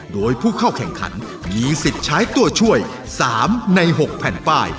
โดยผู้เข้าแข่งขันมีสิทธิ์ใช้ตัวช่วย๓ใน๖แผ่นป้าย